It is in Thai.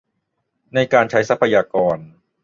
ในการใช้ทรัพยากร